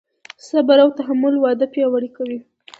صبر او تحمل واده پیاوړی کوي.